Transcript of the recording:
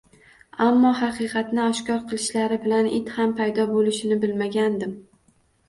Ammo haqiqatni oshkor qilishlari bilan it ham paydo bo`lishini bilmagandim